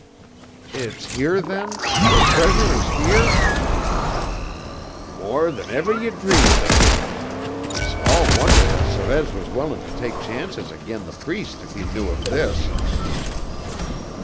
"It's here, then? The treasure is here?" "More than ever ye dreamed of. Small wonder that Sorez was willin' ter take chances agin the Priest if he knew of this."